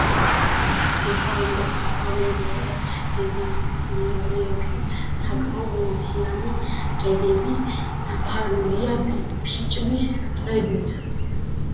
დეპარტამენტის რელიეფი საკმაოდ მთიანია; ქედები დაფარულია ფიჭვის ტყეებით.